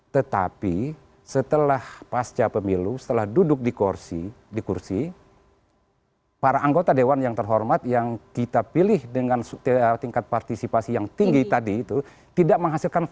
tetapi setelah pasca pemilu setelah duduk di kursi para anggota dewan yang terhormat yang kita pilih dengan tingkat partisipasi yang tinggi tadi itu tidak menghasilkan voice tidak menghasilkan suara